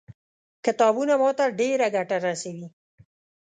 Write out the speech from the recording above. کتابونه ما ته ډېره ګټه رسوي.